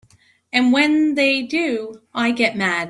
And when they do I get mad.